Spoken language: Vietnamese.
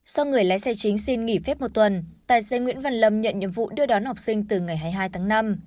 do người lái xe chính xin nghỉ phép một tuần tài xế nguyễn văn lâm nhận nhiệm vụ đưa đón học sinh từ ngày hai mươi hai tháng năm